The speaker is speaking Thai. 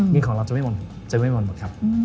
เงินของเราจะไม่มนต์